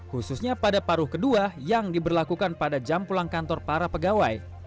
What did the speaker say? khususnya pada paruh kedua yang diberlakukan pada jam pulang kantor para pegawai